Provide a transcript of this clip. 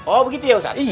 oh begitu ya ustadz